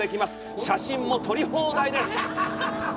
写真も撮り放題です！